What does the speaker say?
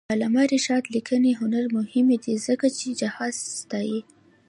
د علامه رشاد لیکنی هنر مهم دی ځکه چې جهاد ستايي.